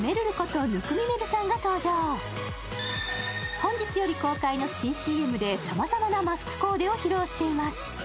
本日より公開の新ＣＭでさまざまなマスクコーデを披露しています。